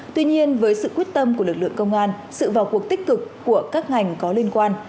tuy nhiên với sự quyết tâm của lực lượng công an sự vào cuộc tích cực của các ngành có liên quan